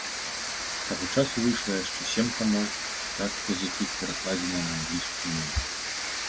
З таго часу выйшла яшчэ сем тамоў, частка з якіх перакладзеная на англійскую мову.